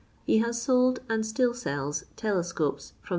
He has sold, and still sells, telescopes from 2